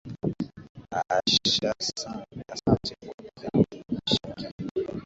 Ahsante kwa kiamsha kinywa.